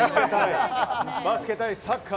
バスケ対サッカー。